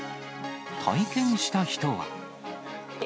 体験した人は。